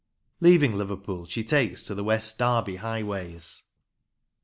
Leaving Liverpool, she takes to the West Derby highways.